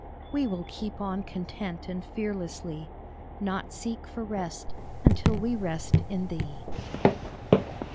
We will keep on content and fearlessly, Nor seek for rest until we rest in Thee.